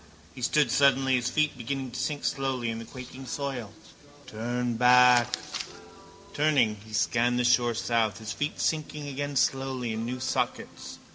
He stood suddenly, his feet beginning to sink slowly in the quaking soil. Turn back. Turning, he scanned the shore south, his feet sinking again slowly in new sockets.